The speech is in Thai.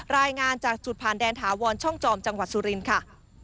รายงานจากจุดผ่านแดนถาวรช่องจอมจังหวัดสุรินทร์ค่ะ